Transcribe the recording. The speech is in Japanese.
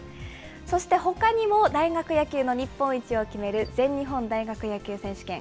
そしてほかにも大学野球の日本一を決める全日本大学野球選手権。